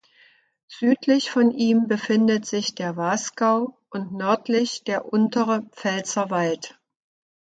Südlich von ihm befindet sich der Wasgau und nördlich der Untere Pfälzerwald.